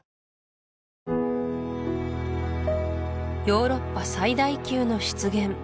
ヨーロッパ最大級の湿原